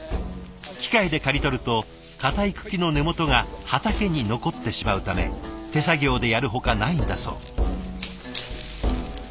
機械で刈り取ると硬い茎の根元が畑に残ってしまうため手作業でやるほかないんだそう。